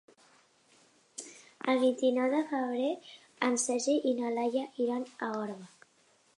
El vint-i-nou de febrer en Sergi i na Laia iran a Orba.